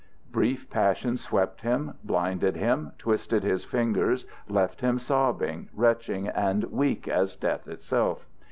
Brief passions swept him, blinded him, twisted his fingers, left him sobbing, retching, and weak as death itself.